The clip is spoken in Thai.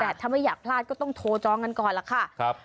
แต่ถ้าไม่อยากพลาดก็ต้องโทรจองกันก่อนล่ะค่ะ